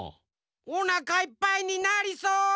おなかいっぱいになりそう。